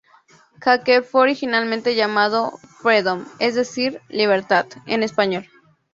Hecker fue originalmente llamado "Freedom", es decir "Libertad" en español.